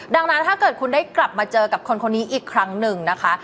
ดังนั้นถ้าเกิดคุณได้กลับมาเจอกับคนคนนี้อีกครั้งหนึ่งนะคะ